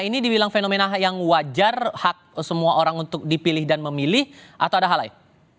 ini dibilang fenomena yang wajar hak semua orang untuk dipilih dan memilih atau ada hal lain